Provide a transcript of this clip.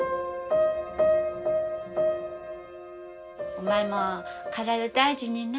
お前も体大事にな。